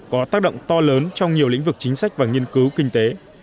có tác động to lớn trong nhiều lĩnh vực chính sách và nghiên cứu kinh tế